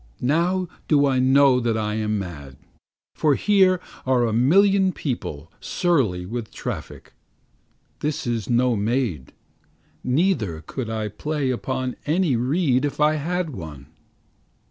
Now do I know that I am mad, For here are a million people surly with traffic; This is no maid. Neither could I play upon any reed if I had one.